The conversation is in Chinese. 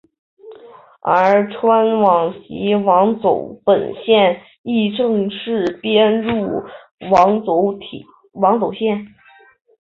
而钏网线及网走本线亦正式编入网走本线。